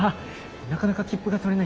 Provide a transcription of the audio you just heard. なかなか切符が取れないんだろ？